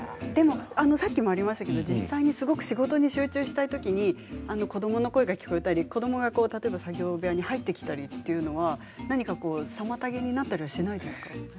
さっきもありましたが実際に仕事に集中したいときに子どもの声が聞こえたり子どもが例えば作業部屋に入ってきたりというのは何か妨げになったりはしないですか？